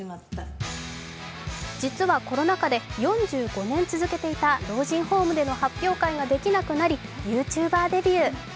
実はコロナ禍で４５年続けていた老人ホームでの発表会ができなくなりＹｏｕＴｕｂｅｒデビュー。